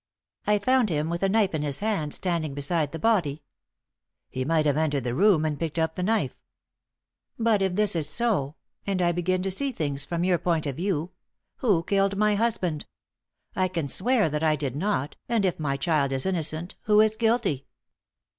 "I found him with a knife in his hand standing beside the body." "He might have entered the room and picked up the knife." "But if this is go and I begin to see things from your point of view who killed my husband? I can swear that I did not, and if my child is innocent, who is guilty?"